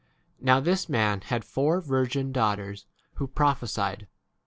Now this man had four virgin daughters who prophesied.